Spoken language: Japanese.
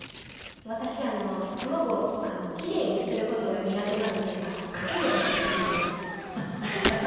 私卵を奇麗にする事が苦手なんでかけるだけっていうふうにやっています卵。